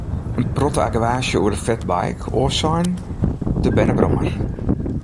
In protte argewaasje oer de fatbike, oars sein, de bernebrommer.